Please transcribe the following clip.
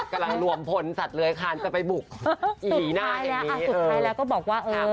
รอชมผลงานก็แล้วกัน